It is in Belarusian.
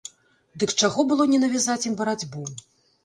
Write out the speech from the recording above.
Дык чаго было не навязаць ім барацьбу?